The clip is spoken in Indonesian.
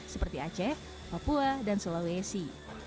seperti aceh papua dan sulawesi